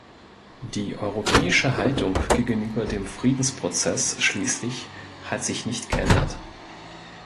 Die europäische Haltung gegenüber dem Friedensprozess schließlich hat sich nicht geändert.